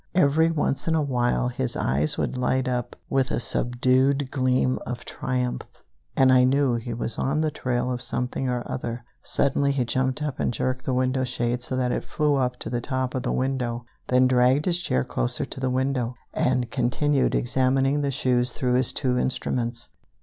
Every once in a while his eyes would light up with a subdued gleam of triumph, and I knew he was on the trail of something or other. Suddenly he jumped up and jerked the window shade so that it flew up to the top of the window, then dragged his chair closer to the window, and continued examining the shoes through his two instruments.